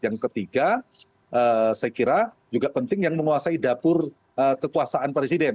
yang ketiga saya kira juga penting yang menguasai dapur kekuasaan presiden